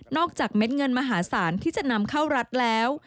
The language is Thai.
จากเม็ดเงินมหาศาลที่จะนำเข้ารัฐแล้ว